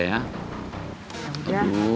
ya udah aduh